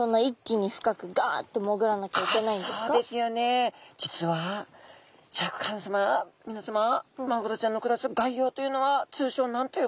でもさかなクン実はシャーク香音さま皆さまマグロちゃんの暮らす外洋というのは通称何と呼ばれましたっけ。